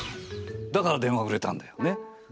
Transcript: だから電話売れたんだよねっ。